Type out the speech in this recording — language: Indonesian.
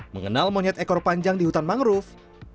mengenal monyet ekor panjang di hutan mangrove